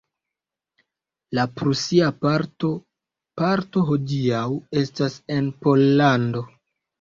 La prusia parto parto hodiaŭ estas en Pollando.